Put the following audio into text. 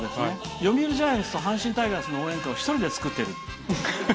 読売ジャイアンツと阪神タイガースの応援歌を１人で作ってる。